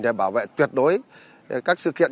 để bảo vệ tuyệt đối các sự kiện